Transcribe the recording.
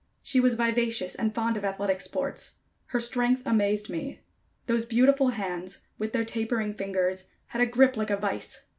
She was vivacious and fond of athletic sports. Her strength amazed me. Those beautiful hands, with their tapering fingers, had a grip like a vise.